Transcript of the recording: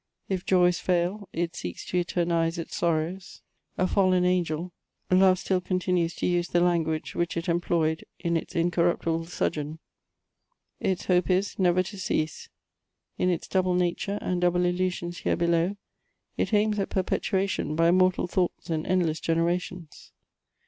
If joys fail, it seeks to eternise its sorrows ; a fallen angel, love still continues to use the language whidi it employed in its incorruptible sojourn ; its hope is, never to cease ; in its double nature, and double illusions here below, it aims at perpetuation by immortal thoughts and endless generations.